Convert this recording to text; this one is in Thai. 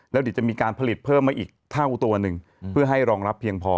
แล้วเดี๋ยวจะมีการผลิตเพิ่มมาอีกเท่าตัวหนึ่งเพื่อให้รองรับเพียงพอ